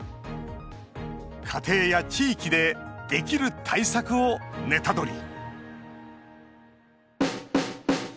家庭や地域でできる対策をネタドリ！